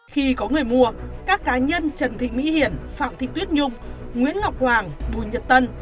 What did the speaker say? khi có người mua các cá nhân trần thị mỹ hiển phạm thị tuyết nhung nguyễn ngọc hoàng bùi nhật tân